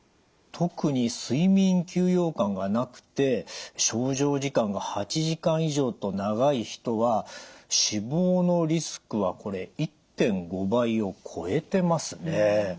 特に睡眠休養感がなくて床上時間が８時間以上と長い人は死亡のリスクはこれ１．５倍を超えてますね。